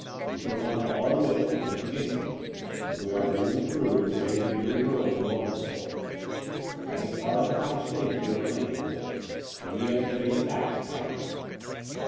We shall want all our wits to pit against them, if we are to win through and save the dear girl's immortal soul. That is part of the high stakes we are playing for; and we have to face facts frankly.